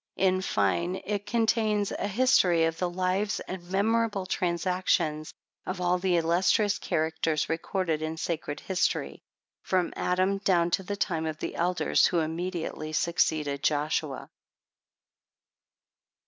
In fine, it contains a history of the lives and memorable transactions of all the illus trious characters recorded in sacred history, from Adam dowm to the time of the Elders, who immediately succeeded Joshua.